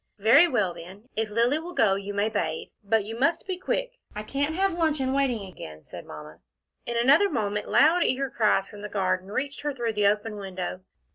"Very well, then if Lilly will go you may bathe, but you must be quick. I can't have luncheon kept waiting again," said Mamma. In another moment loud eager cries from the garden reached her through the open window.